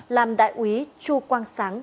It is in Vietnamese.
làm đại úy chu quang sáng